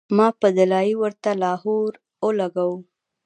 ما پۀ “دلائي” ورته لاهور او لګوو